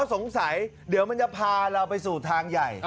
สงสัยเดี๋ยวมันจะพาเราไปสู่ทางใหญ่